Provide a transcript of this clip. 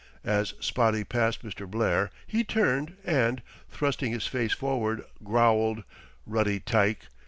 As Spotty passed Mr. Blair he turned and, thrusting his face forward, growled, "Ruddy tyke."